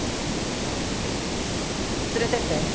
連れてって。